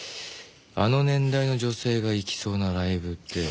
あの年代の女性が行きそうなライブって。